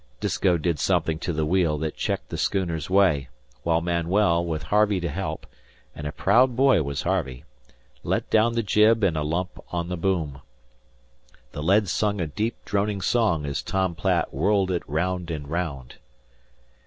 Disko did something to the wheel that checked the schooner's way, while Manuel, with Harvey to help (and a proud boy was Harvey), let down the jib in a lump on the boom. The lead sung a deep droning song as Tom Platt whirled it round and round.